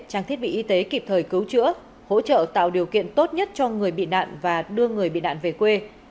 trang thiết bị y tế kịp thời cứu chữa hỗ trợ tạo điều kiện tốt nhất cho người bị nạn và đưa người bị nạn về quê